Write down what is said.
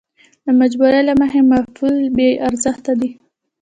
د مجبورۍ له مخې معافول بې ارزښته دي.